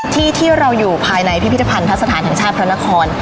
ที่เราอยู่ภายในพิพิธภัณฑสถานแห่งชาติพระนคร